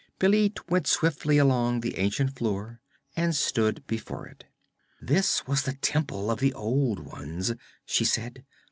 Bêlit went swiftly along the ancient floor and stood before it. 'This was the temple of the old ones,' she said.